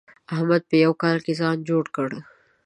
احمد په يوه کال کې ځان جوړ کړ.